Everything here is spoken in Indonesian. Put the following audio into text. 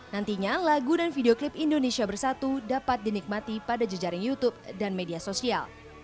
nantinya lagu dan video klip indonesia bersatu dapat dinikmati pada jejaring youtube dan media sosial